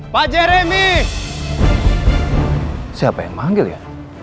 pak jeremis siapa yang manggil ya